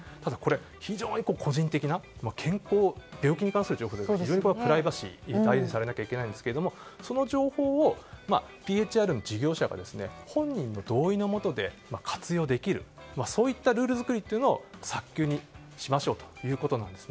非常に個人的な病気に関する情報はプライバシーで大事にされなければならないんですがその情報をＰＨＲの事業者が本人の同意のもとで活用できるルール作りを早急にしましょうということです。